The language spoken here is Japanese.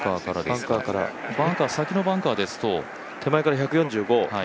先のバンカーですと手前から１４５